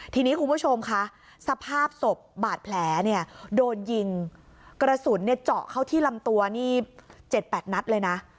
ทีนี้คุณผู้ชมค่ะสภาพศพบาดแผลโดนยิงกระสุนเจาะเข้าที่ลำตัว๗๘นัทเลยนะ